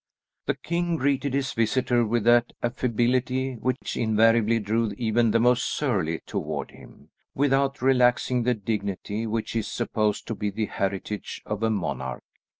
The king greeted his visitor with that affability, which invariably drew even the most surly toward him, without relaxing the dignity which is supposed to be the heritage of a monarch.